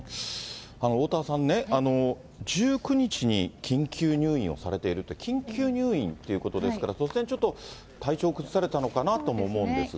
おおたわさんね、１９日に緊急入院をされているって、緊急入院っていうことですから、突然ちょっと体調を崩されたのかなと思うんですが。